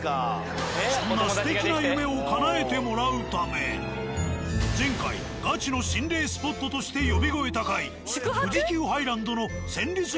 そんな前回ガチの心霊スポットとして呼び声高い。